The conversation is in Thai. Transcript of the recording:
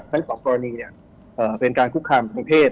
ทั้งสองกรณีเป็นการคุกคามทางเพศ